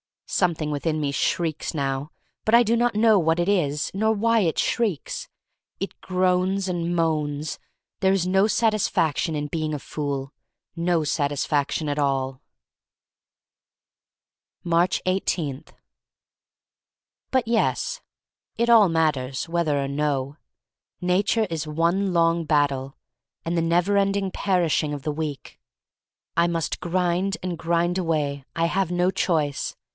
Something within me shrieks now, but I do not know what it is — nor why it shrieks. It groans and moans. There is no satisfaction in being a fool — no satisfaction at all. • Aatcb 18. BUT yes. It all matters, whether or no. Nature is one long battle; and the never ending perishing cf the weak. I must grind and grind away, I have no choice.